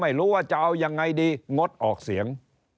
ไม่รู้ว่าจะเอายังไงดีงดออกเสียง